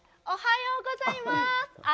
おはようございます。